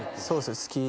そうっす。